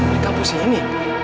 mereka pusing ini